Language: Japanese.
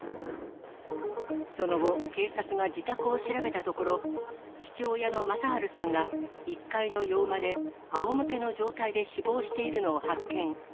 その後、警察が自宅を調べたところ、父親の正春さんが、１階の洋間であおむけの状態で死亡しているのを発見。